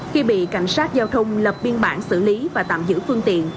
khi bị cảnh sát giao thông lập biên bản xử lý và tạm giữ phương tiện